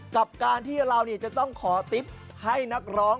กับการที่เราจะต้องขอติ๊บให้นักร้อง